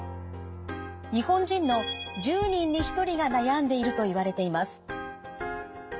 日本人の１０人に１人が悩んでいるといわれています。